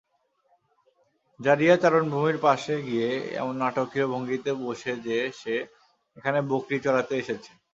যারিয়া চারণভূমির পাশে গিয়ে এমন নাটকীয় ভঙ্গিতে বসে যে সে এখানে বকরী চরাতেই এসেছে।